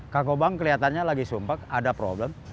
kang kobang kelihatannya lagi sumpah ada problem